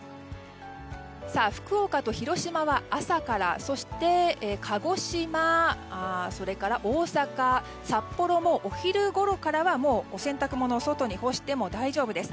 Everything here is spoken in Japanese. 福岡と広島は朝からそして鹿児島、大阪、札幌もお昼ごろからは、お洗濯物を外に干しても大丈夫です。